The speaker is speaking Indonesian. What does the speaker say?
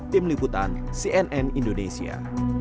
tim liputan cnn indonesia